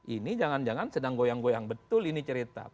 ini jangan jangan sedang goyang goyang betul ini cerita